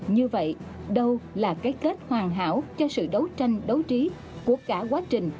như vậy đâu là cái kết hoàn hảo cho sự đấu tranh đấu trí của cả quá trình